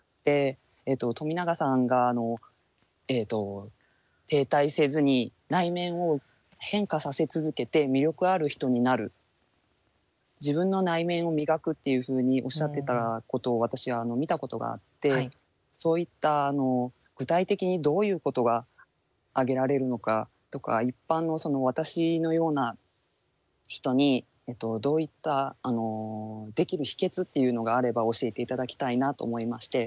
冨永さんが停滞せずに内面を変化させ続けて魅力ある人になる自分の内面を磨くっていうふうにおっしゃってたことを私は見たことがあってそういった具体的にどういうことが挙げられるのかとか一般の私のような人にどういったできる秘訣っていうのがあれば教えて頂きたいなと思いまして。